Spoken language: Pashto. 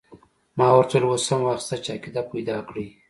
ما ورته وویل اوس هم وخت شته چې عقیده پیدا کړې.